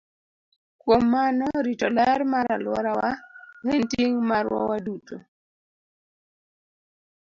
Kuom mano, rito ler mar alworawa en ting' marwa waduto.